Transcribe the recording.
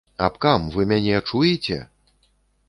Абкам, вы мяне чуеце?